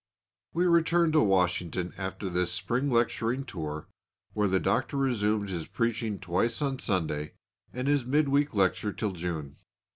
We returned to Washington after this spring lecturing tour, where the Doctor resumed his preaching twice on Sunday, and his mid week lecture, till June.